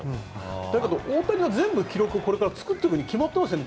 だけど大谷が全部記録を作っていくに決まってますよね。